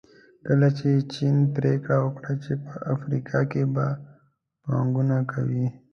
کله چې چین پریکړه وکړه چې په افریقا کې به پانګونه کوي.